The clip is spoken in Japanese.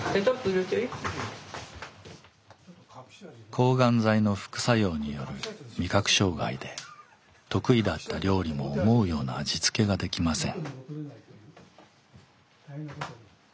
抗がん剤の副作用による味覚障害で得意だった料理も思うような味付けができません。